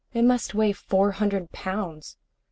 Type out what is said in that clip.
It must weigh four hundred pounds."